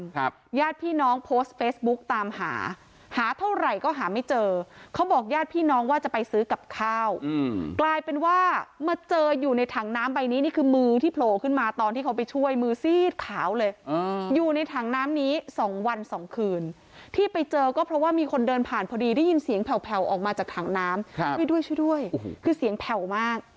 ครับญาติพี่น้องโพสต์เฟซบุ๊กตามหาหาเท่าไหร่ก็หาไม่เจอเขาบอกญาติพี่น้องว่าจะไปซื้อกับข้าวอืมกลายเป็นว่ามาเจออยู่ในถังน้ำใบนี้นี่คือมือที่โผล่ขึ้นมาตอนที่เขาไปช่วยมือซีดขาวเลยอ่าอยู่ในถังน้ำนี้สองวันสองคืนที่ไปเจอก็เพราะว่ามีคนเดินผ่านพอดีได้ยินเสียงแผ่วแผ่วออกมาจากถังน้ำครับช่วยด้วยช่วยด้วยโอ้โหคือเสียงแผ่วมาก